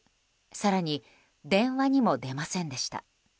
更に、電話にも出ませんでした。